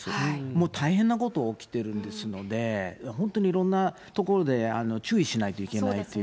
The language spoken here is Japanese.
もうたくさんいろんなこと起きてるので、本当にいろんな所で注意しないといけないという。